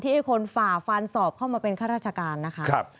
ที่ให้คนฝ่าฟานสอบเข้ามาเป็นค่าราชการนะครับ